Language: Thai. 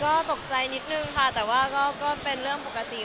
ก็ตกใจนิดนึงค่ะแต่ว่าก็เป็นเรื่องปกติ